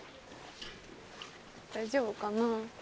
大丈夫かな？